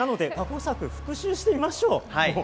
過去作、復習してみましょう。